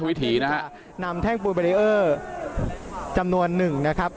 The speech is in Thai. วิถีนะครับนำแท่งจำนวนหนึ่งนะครับ